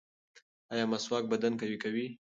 ایا مسواک بدن قوي کوي؟